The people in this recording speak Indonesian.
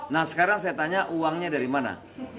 nah sekarang saya tanya uangnya dari mana